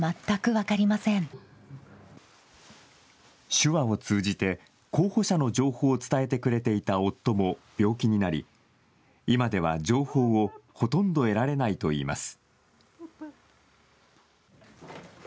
手話を通じて候補者の情報を伝えてくれていた夫も病気になり今では情報をほとんど得られないといいます。